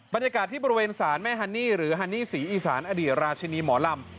บรรยากาศที่บริเวณศาลแม่ฮันนี่หรือฮันนี่ศรีอีสานอดีตราชินีหมอลำ